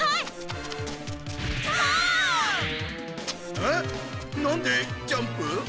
あっなんでジャンプ？